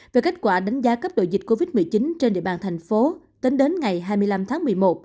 về kết quả đánh giá cấp độ dịch covid một mươi chín trên địa bàn thành phố tính đến ngày hai mươi năm tháng một mươi một